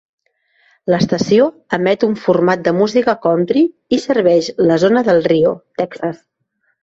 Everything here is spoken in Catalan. L'estació emet un format de música country i serveix la zona de Del Rio, Texas.